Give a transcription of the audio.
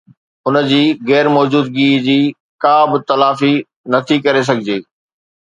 ان جي غير موجودگيءَ جي ڪا به تلافي نه ٿي ڪري سگھجي